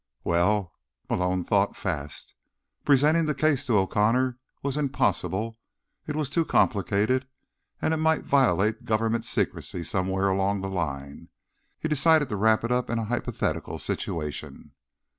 "Well—" Malone thought fast. Presenting the case to O'Connor was impossible; it was too complicated, and it might violate governmental secrecy somewhere along the line. He decided to wrap it up in a hypothetical situation.